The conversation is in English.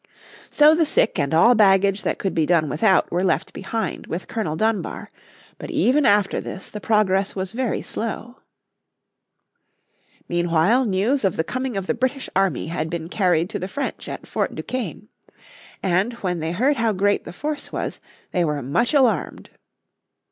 So the sick and all baggage that could be done without were left behind with Colonel Dunbar. But even after this the progress was very slow. Meanwhile news of the coming of the British army had been carried to the French at Fort Duquesne. And when they heard how great the force was, they were much alarmed.